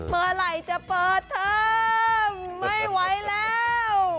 เมื่อไหร่จะเปิดเทอมไม่ไหวแล้ว